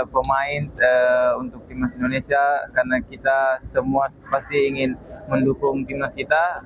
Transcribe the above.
pemain untuk timnas indonesia karena kita semua pasti ingin mendukung timnas kita